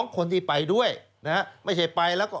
คนที่ไปด้วยนะฮะไม่ใช่ไปแล้วก็